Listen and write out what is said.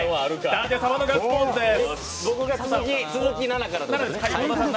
舘様のガッツポーズです。